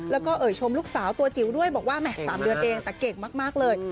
แล้วก็เอ่ยชมลูกสาวตัวจิ๋วด้วยบอกว่าแหม๓เดือนเองแต่เก่งมากเลย